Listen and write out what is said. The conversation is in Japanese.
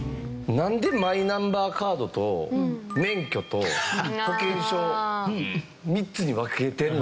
なんでマイナンバーカードと免許と保険証３つに分けてるの？